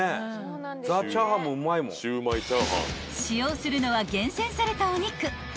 ［使用するのは厳選されたお肉］